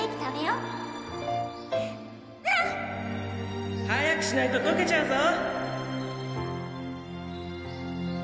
うん！早くしないと溶けちゃうぞ！